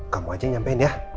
kamu aja yang nyampein ya